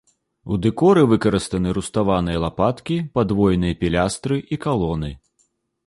У дэкоры выкарыстаны руставаныя лапаткі, падвойныя пілястры і калоны.